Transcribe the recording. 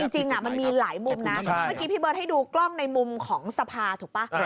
จริงมันมีหลายมุมนะเมื่อกี้พี่เบิร์ตให้ดูกล้องในมุมของสภาถูกป่ะ